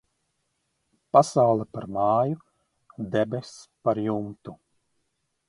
Pasaule par māju, debess par jumtu.